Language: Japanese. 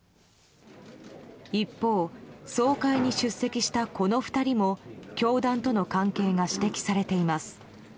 一方、総会に出席したこの２人も教団との関係が指摘されています。